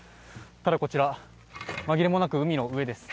ただこちら、まぎれもなく海の上です。